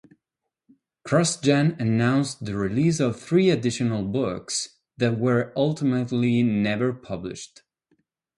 CrossGen announced the release of three additional books that were ultimately never published.